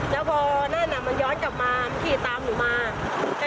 แล้วพอนั่นอ่ะมันย้อนกลับมาเงียนตามหนูมา